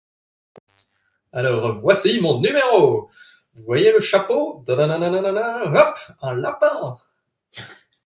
Alors voici mon numéro ! Vous voyez le chapeau ? Ta nanain nanain nanain, hop ! Un lapin !